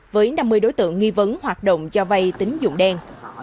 với năm mươi đối tượng nghi vấn hoạt động cho vay tín dụng đen